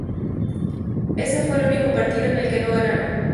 Ese fue el único partido en el que no ganaron.